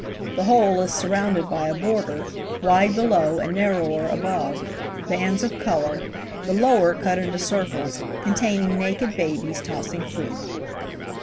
The whole is surrounded by a border–wide below and narrower above–bands of color–the lower cut into circles, containing naked babies tossing fruit.